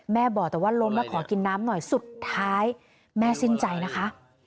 บอกแต่ว่าล้นว่าขอกินน้ำหน่อยสุดท้ายแม่สิ้นใจนะคะ